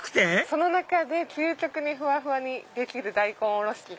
その中で究極にふわふわにできる大根おろし器